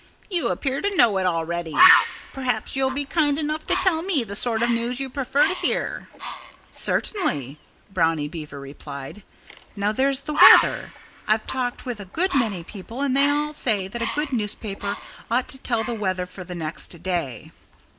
"You appear to know it already. Perhaps you'll be kind enough to tell me the sort of news you prefer to hear." "Certainly!" Brownie Beaver replied. "Now, there's the weather! I've talked with a good many people and they all say that a good newspaper ought to tell the weather for the next day."